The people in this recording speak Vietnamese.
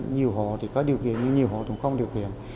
nhiều hộ thì có điều kiện nhưng nhiều hộ thì cũng không có điều kiện